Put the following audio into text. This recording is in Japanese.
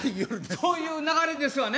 そういう流れですわね。